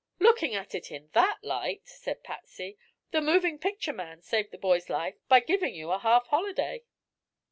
"Looking at it in that light," said Patsy, "the moving picture man saved the boy's life by giving you a half holiday."